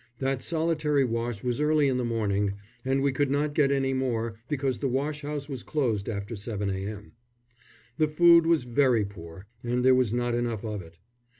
That solitary wash was early in the morning, and we could not get any more, because the wash house was closed after 7 a.m. The food was very poor, and there was not enough of it.